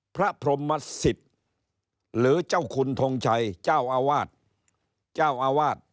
พระพรมสิตหรือเจ้าคุณทองชัยเจ้าอาวาส